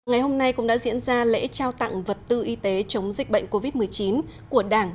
ngày hôm nay cũng đã diễn ra lễ trao tặng vật tư y tế chống dịch bệnh covid một mươi chín của đảng